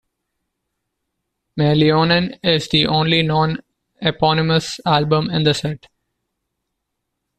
"Meillionen" is the only non-eponymous album in the set.